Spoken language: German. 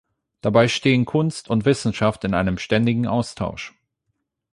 Dabei stehen Kunst und Wissenschaft in einem ständigen Austausch.